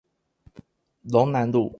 龍南路